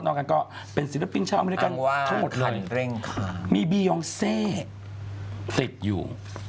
นอกกันก็เป็นศิลปปิงชาวไม่ได้กันทั้งหมดเลยมีบีโยงเซติดอยู่